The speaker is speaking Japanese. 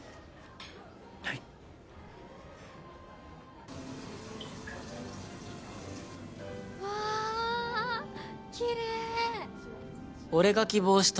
はいわぁきれい！